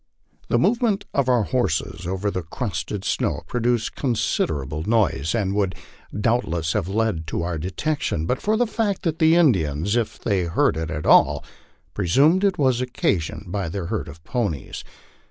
The movement of our horses over the crusted snow produced considerable noise, and would doubt less have led to our detection but for the fact that the Indians, if they heard it at all, presumed it was occasioned by their herd of ponies.